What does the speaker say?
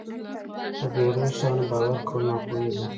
په بې روحه شیانو باور کول ناپوهي ده.